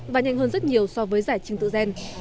và nhanh hơn rất nhiều so với giải trình tự gen